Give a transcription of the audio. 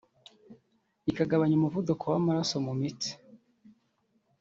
ikagabanya umuvuduko w’amaraso mu mitsi